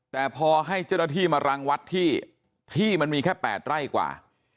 แต่พอให้เจ้าหน้าที่มารังวัดที่ที่มันมีแค่๘ไร่กว่า